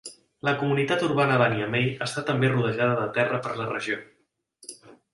La comunitat urbana de Niamey està també rodejada de terra per la regió.